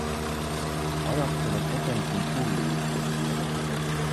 Ajattelen etenkin tulliyhteistyötä.